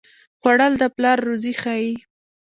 خوړل د پلار روزي ښيي